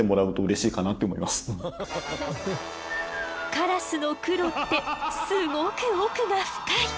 カラスの黒ってすごく奥が深い！